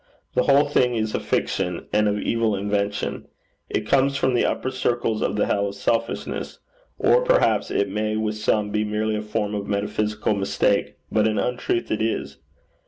The whole thing is a fiction, and of evil invention. It comes from the upper circles of the hell of selfishness. Or, perhaps, it may with some be merely a form of metaphysical mistake; but an untruth it is.